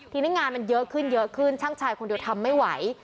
ทีนี้งานมันเยอะขึ้นเยอะขึ้นช่างชายคนเดียวทำไม่ไหว